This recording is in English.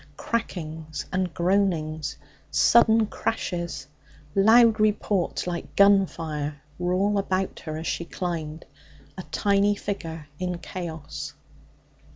Crackings and groanings, sudden crashes, loud reports like gun fire, were all about her as she climbed a tiny figure in chaos.